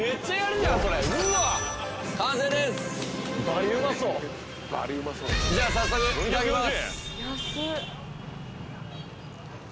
じゃあ早速いただきます。